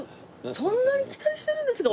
そんなに期待してるんですか？